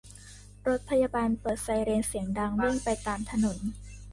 รถพยาบาลเปิดไซเรนเสียงดังวิ่งไปตามถนน